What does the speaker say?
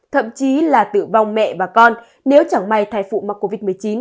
thậm chí là tử vong mẹ và con nếu chẳng may thai phụ mắc covid một mươi chín